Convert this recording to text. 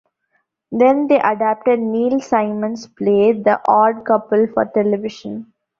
Then they adapted Neil Simon's play "The Odd Couple" for television.